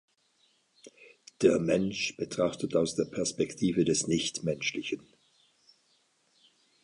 Der Mensch, betrachtet aus der Perspektive des Nichtmenschlichen“.